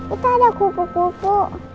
itu ada kupu kupu